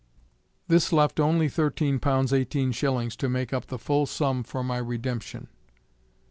This left only thirteen pounds eighteen shillings to make up the full sum for my redemption.